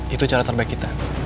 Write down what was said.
itu cara terbaik kita